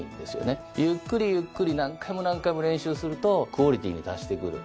ゆっくりゆっくり何回も何回も練習するとクオリティーに達してくる。